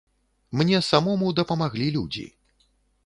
Мне самому дапамаглі людзі.